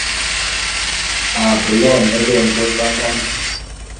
A ke lone benvôé bangan .